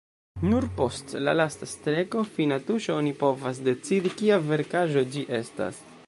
Nur post la lasta streko, fina tuŝo, oni povas decidi kia verkaĵo ĝi estas.